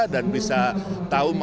dan bisa tahu mana